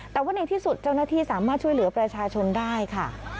แต่ว่าในที่สุดเจ้าหน้าที่สามารถช่วยเหลือประชาชนได้ค่ะ